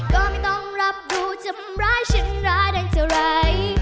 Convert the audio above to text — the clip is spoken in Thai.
ก็ไม่ต้องรับรู้ทำร้ายฉันร้าได้เท่าไหร่